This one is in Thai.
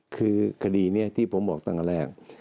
คือคดีนี้ที่ผมบอกตั้งแต่แรก